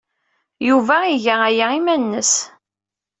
Yuba iga aya i yiman-nnes.